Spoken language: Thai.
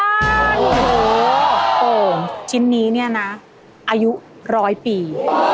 โอ้โหโอ่งชิ้นนี้เนี่ยนะอายุร้อยปี